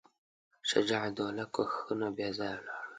شجاع الدوله کوښښونه بېځایه ولاړل.